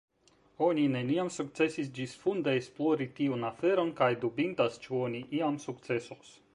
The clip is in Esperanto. Oni neniam sukcesis ĝisfunde esplori tiun aferon, kaj dubindas ĉu oni iam sukcesos.